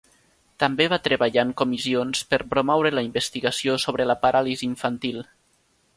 També va treballar en comissions per promoure la investigació sobre la paràlisi infantil.